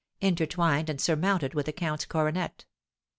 intertwined and surmounted with a count's coronet.